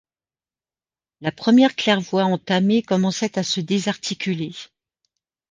La première claire-voie entamée commençait à se désarticuler.